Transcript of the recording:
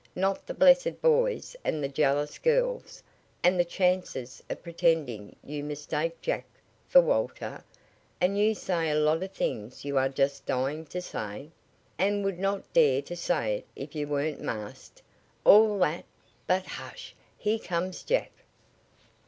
Not the blessed boys, and the jealous girls and the chances of pretending you mistake Jack for Walter and you say a lot of things you are just dying to say, and would not dare to say if you weren't masked. All that But hush! Here comes Jack!"